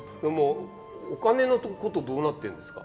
お金のことどうなってるんですか？